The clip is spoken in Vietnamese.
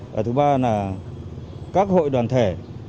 và thứ ba là các hội đoàn thể